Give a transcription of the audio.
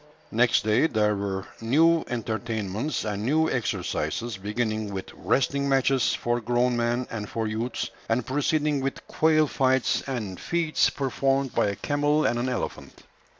Next day there were new entertainments and new exercises; beginning with wrestling matches for grown men and for youths, and proceeding with quail fights, and feats performed by a camel and an elephant.